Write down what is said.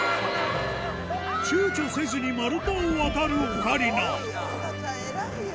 ちゅうちょせずに丸太を渡るオカリナオカちゃん偉いよ。